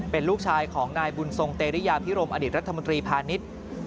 เป็นลูกชายของนายบุญทรงเตรียพิรมอดีตรัฐมนตรีพาณิชย์